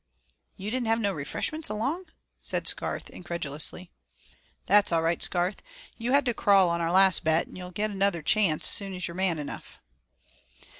"You didn't have no reefreshments along?" said Scarth, incredulously. "That's all right, Scarth. You had to crawl on our last bet, an' you'll get another chance soon as you're man enough."